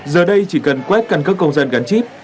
giờ đây chỉ cần quét căn cước công dân gắn chip